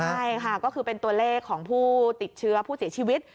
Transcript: ใช่ค่ะก็คือเป็นตัวเลขของผู้ติดเชื้อผู้เสียชีวิต